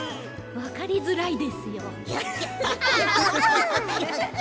わかりづらいですよ。